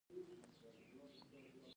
د کابل سیند د افغانستان طبعي ثروت دی.